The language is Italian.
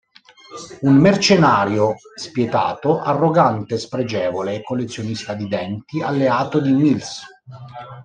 Un mercenario spietato, arrogante e spregevole e collezionista di denti alleato di Mills.